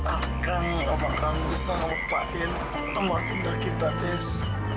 akang gak bakal bisa ngelupain teman muda kita des